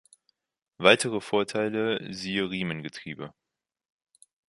Weitere Vorteile siehe Riemengetriebe.